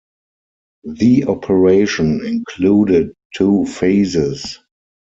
The operation included two phases.